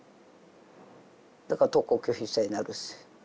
だから登校拒否生になるし。